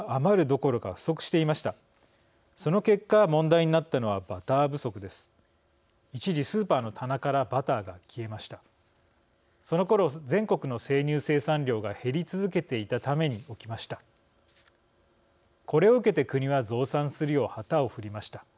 これを受けて国は増産するよう旗を振りました。